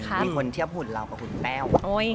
มีคนเทียบหุ่นเรากับคุณแต้ว